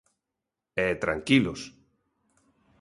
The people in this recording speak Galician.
E tranquilos.